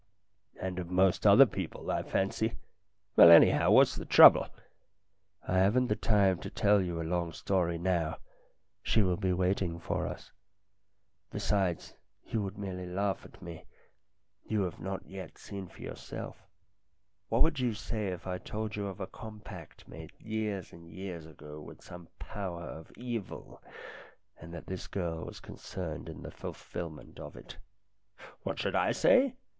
"And of most other people, I fancy. Well, anyhow, what's the trouble ?"" I haven't the time to tell you a long story now ; she will be waiting for us. Besides, you would merely laugh at me. You have not yet seen for yourself. What would you say if I told you of a compact made years and years ago with some power of evil, and that this girl was concerned in the fulfilment of it ?"" What should I say